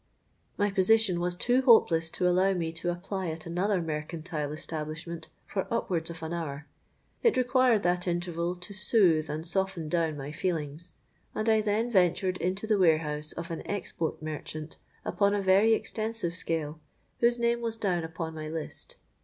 "My position was too hopeless to allow me to apply at another mercantile establishment for upwards of an hour. It required that interval to soothe and soften down my feelings; and I then ventured into the warehouse of an export merchant upon a very extensive scale, whose name was down upon my list.